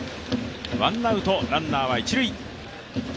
ワンアウト、ランナーは一塁。